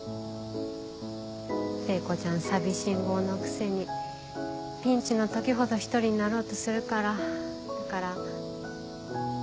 聖子ちゃん寂しんぼうのくせにピンチの時ほど一人になろうとするからだから。